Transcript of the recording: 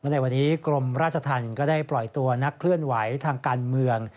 ในวันนี้กรมราชธรรมก็ได้ปล่อยตัวนักเคลื่อนไหวทางการเมือง